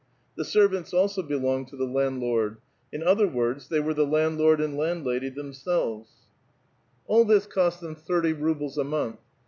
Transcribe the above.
The servants also belonged to the landlord ; in other words, they were the landlord and land lady themselves. 138 A VITAL QUESTION. All this cost them thirty nibles a month.